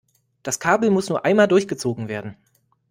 Das Kabel muss nur einmal durchgezogen werden.